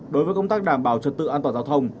đối với công tác đảm bảo trật tự an toàn giao thông